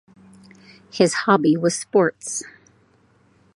His hobby was sports.